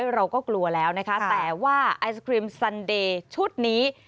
เราก็กลัวแล้วนะคะแต่ว่าไอศครีมซันเดย์ชุดนี้